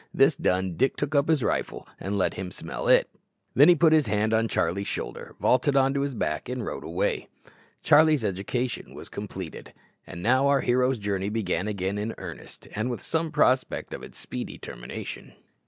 This done, Dick took up his rifle and let him smell it; then he put his hand on Charlie's shoulder, vaulted on to his back, and rode away. Charlie's education was completed. And now our hero's journey began again in earnest, and with some prospect of its speedy termination.